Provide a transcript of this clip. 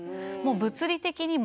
物理的にも。